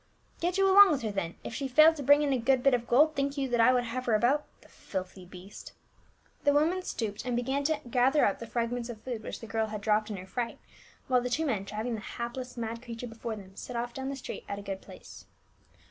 " Get you along with her then ; if she failed to brincT in a good bit of gold, think you that I would havc^ her about ?— the filthy beast." The woman stooped and began to gather up the fragments of food which the girl had dropped in her fright, while the two men driving the hapless mad creature before them set off down the street at a good pace.